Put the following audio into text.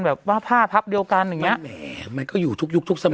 แบบว่าผ้าพับเดียวกันอย่างเงี้แหมมันก็อยู่ทุกยุคทุกสมัย